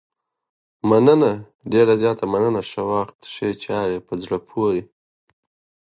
هغه مشرتابه چې حساب ورکوونه ومني د ولس ملاتړ تر لاسه کوي